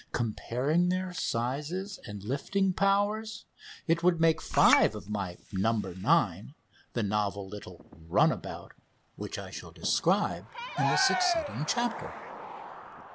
Comparing their sizes and lifting powers, it would make five of My "No. 9," the novel little "runabout," which I shall describe in the succeeding chapter.